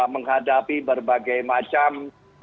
menghadapi berbagai macam